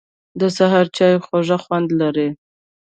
د سهار چای خوږ خوند لري